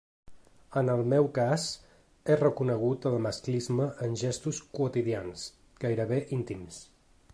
En el meu cas, he reconegut el masclisme en gestos quotidians, gairebé íntims.